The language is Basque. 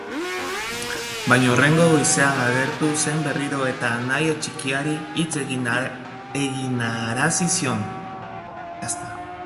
Baina hurrengo goizean agertu zen berriro eta anaia txikiari hitz eginarazi zion.